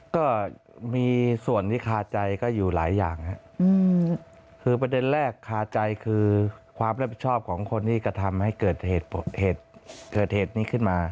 ก็มีส่วนที่คาใจก็อยู่หลายอย่างครับคือประเด็นแรกคาใจคือความรับผิดชอบของคนที่กระทำให้เกิดเหตุเกิดเหตุนี้ขึ้นมา